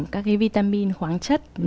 các cái vitamin khoáng chất